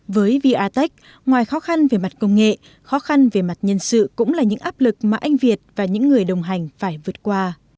với vatec ngoài khó khăn về mặt công nghệ khó khăn về mặt nhân sự cũng là những áp lực mà anh việt và những người đồng hành phải vượt qua